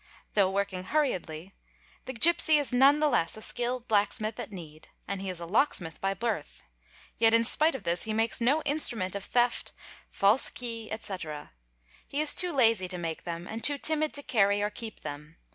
'Though working hurriedly, the gipsy is none the less a skilled blacksmith at need, and he is a locksmith by birth, yet in spite of this he makes no instrument of theft, false key, etc. _ He is too lazy to make them and too timid to carry or keep them.